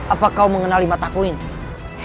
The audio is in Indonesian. apa kau mengenali mataku ini